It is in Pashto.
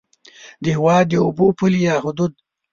د هېواد د اوبو پولې یا حدود